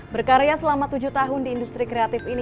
berkarya selama tujuh tahun di industri kreatif ini